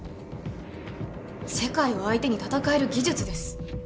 世界を相手に戦える技術です。